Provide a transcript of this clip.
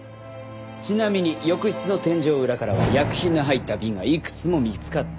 ちなみに浴室の天井裏からは薬品の入った瓶がいくつも見つかっています。